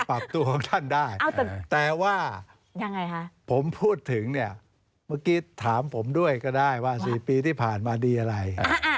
อาธารณ์๑๐ปีที่ผ่านมาผลงานชิคกี้พาย